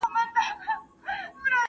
نه دي دوبی نه دي ژمی در معلوم دی ,